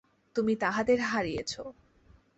তুমি তাদের হারিয়েছো।